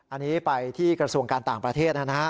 อันนี้ไปที่กระทรวงการต่างประเทศนะฮะ